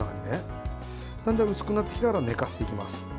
だんだん薄くなってきたら寝かせていきます。